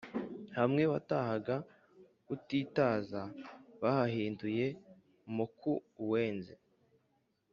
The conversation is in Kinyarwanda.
Hamwe watahaga utitaza Bahahinduye mukw’uwenze !